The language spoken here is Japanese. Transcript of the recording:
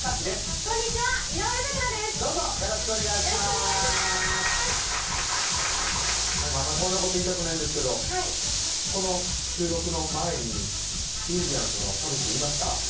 あんまりこんなこと言いたくないんですけどこの収録の前にインディアンスの田渕くんいました？